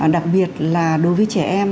đặc biệt là đối với trẻ em